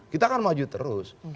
kita akan maju terus